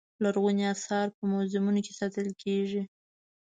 لرغوني اثار په موزیمونو کې ساتل کېږي.